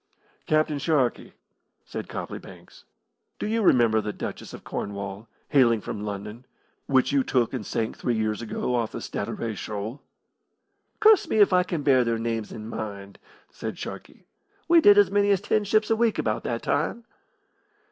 "Captain Sharkey," said Copley Banks, "do you remember the Duchess of Cornwall, hailing from London, which you took and sank three years ago off the Statira Shoal?" "Curse me if I can bear their names in mind," said Sharkey. "We did as many as ten ships a week about that time."